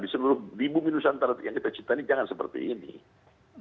di seluruh di bumi nusantara yang kita cipta ini jangan seperti ini